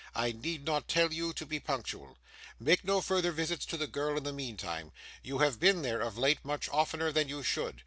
I need not tell you to be punctual. 'Make no further visits to the girl in the meantime. You have been there, of late, much oftener than you should.